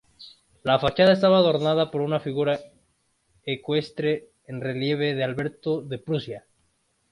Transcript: La fachada estaba adornada por una figura ecuestre en relieve de Alberto de Prusia.